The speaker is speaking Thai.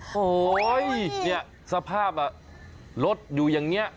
โอ้โฮนี่สภาพลดอยู่อย่างนี้